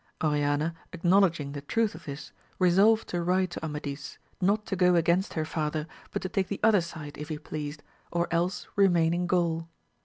Oriana acknowledging the truth of this resolved to write to Amadis, not to go against her father, but to take the other side if he pleased, or else remain in Gaul.